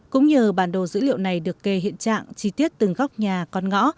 cũng nhờ bản đồ dữ liệu này được kê hiện trạng chi tiết từng góc nhà con ngõ